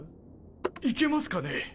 いけますかね？